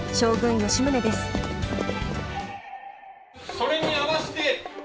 それに合わせて。